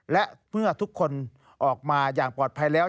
และเมื่อทุกคนออกมาอย่างปลอดภัยแล้ว